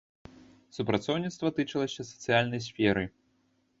Супрацоўніцтва тычылася сацыяльнай сферы.